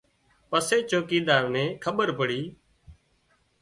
پسي چوڪيڌار نين کٻير پڙي